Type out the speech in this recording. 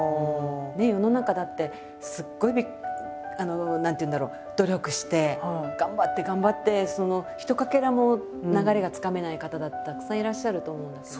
世の中だってすっごい何ていうんだろう努力して頑張って頑張ってひとかけらも流れがつかめない方だってたくさんいらっしゃると思うんだけど。